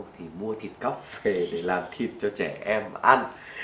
thì mua thịt cóc về để làm thịt cho trẻ em ăn